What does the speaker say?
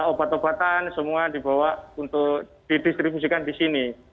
obat obatan semua dibawa untuk didistribusikan di sini